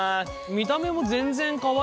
見た目も全然かわいいね。